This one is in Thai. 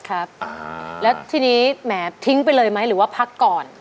ครับแล้วทีนี้แหมทิ้งไปเลยไหมหรือว่าพักก่อน